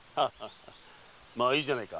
まぁいいじゃないか。